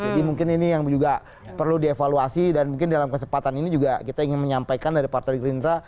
jadi mungkin ini yang juga perlu dievaluasi dan mungkin dalam kesempatan ini juga kita ingin menyampaikan dari partai gerindra